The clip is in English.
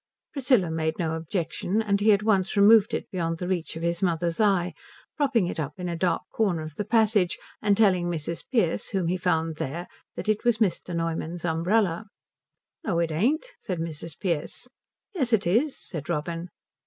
Priscilla made no objection, and he at once removed it beyond the reach of his mother's eye, propping it up in a dark corner of the passage and telling Mrs. Pearce, whom he found there that it was Mr. Neumann's umbrella. "No it ain't," said Mrs. Pearce. "Yes it is," said Robin.